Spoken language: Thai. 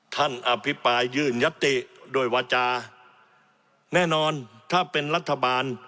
อภิปรายยื่นยัตติโดยวาจาแน่นอนถ้าเป็นรัฐบาล